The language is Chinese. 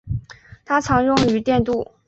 它常用于电镀。